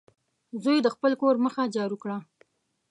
زوی د خپل کور مخه جارو کړه.